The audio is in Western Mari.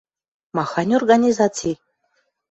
— Махань организаци?